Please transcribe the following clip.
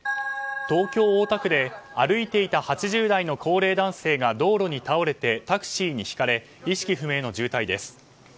東京・大田区で歩いていた８０代の高齢男性が道路に倒れてタクシーにひかれ意識不明の重体です。